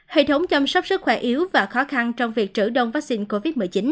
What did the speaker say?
hệ thống chăm sóc sức khỏe yếu và khó khăn trong việc trữ đông vaccine covid một mươi chín